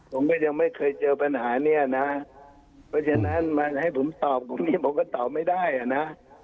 ผมก็ยังไม่เคยเจอปัญหาเนี้ยนะเพราะฉะนั้นมาให้ผมตอบตรงนี้ผมก็ตอบไม่ได้อ่ะนะ